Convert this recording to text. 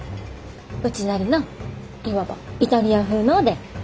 うちなりのいわばイタリア風のおでん。